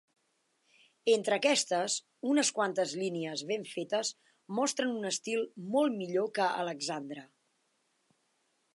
Entre aquestes, unes quantes línies ben fetes mostren un estil molt millor que "Alexandra".